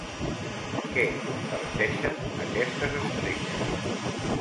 Què comparteixen aquestes estrelles?